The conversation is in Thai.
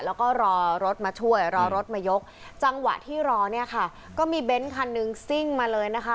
แล้วก็รอรถมาช่วยรอรถมายกจังหวะที่รอเนี่ยค่ะก็มีเบนท์คันหนึ่งซิ่งมาเลยนะคะ